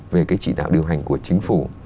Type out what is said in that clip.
về cái trị đạo điều hành của chính phủ